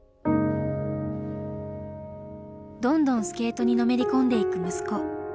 どんどんスケートにのめり込んでいく息子。